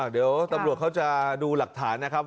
เดี๋ยวตำรวจเขาจะดูหลักฐานนะครับ